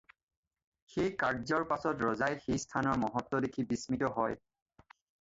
সেই কাৰ্যৰ পাছত ৰজাই সেই স্থানৰ মহত্ব দেখি বিষ্মিত হয়।